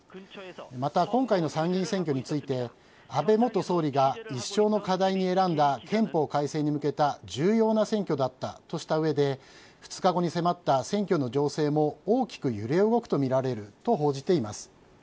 また、今回の参議院選挙について安倍元総理が一生の課題に選んだ憲法改正に向けた重要な選挙だったとした上で２日後に迫った選挙の情勢も大きく揺れ動くとみられると報じています。